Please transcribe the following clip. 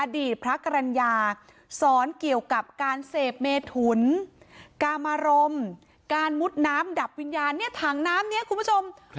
อดีตพระกรรณญาสอนเกี่ยวกับการเสพเมถุนกามารมการมุดน้ำดับวิญญาณเนี่ยถังน้ำนี้คุณผู้ชม